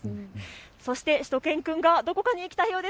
そして、しゅと犬くんがどこかに行きたいようです。